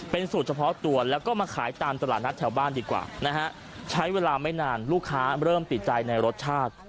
เป็นสูตรเฉพาะตัวแล้วก็มาขายตามตลาดนัดแถวบ้านดีกว่านะฮะใช้เวลาไม่นานลูกค้าเริ่มติดใจในรสชาติ